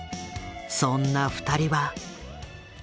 そんな２人は。